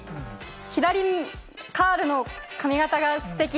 左カールの髪形がステキ。